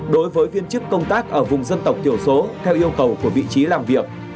đối với viên chức công tác ở vùng dân tộc thiểu số theo yêu cầu của vị trí làm việc